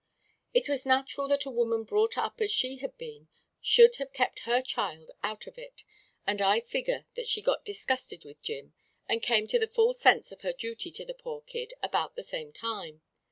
"It was natural that a woman brought up as she had been should have kept her child out of it, and I figger that she got disgusted with Jim and came to the full sense of her duty to the poor kid about the same time.